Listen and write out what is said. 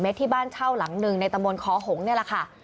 มิที่บ้านเฉิลหลังหนึ่งในตะมนต์คอหงเห็นแล้วค่ะ